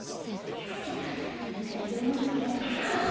あ２かいどまりかあっ！